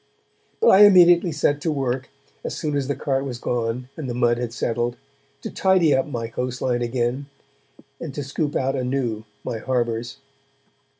But I immediately set to work, as soon as the cart was gone and the mud had settled, to tidy up my coastline again and to scoop out anew my harbours.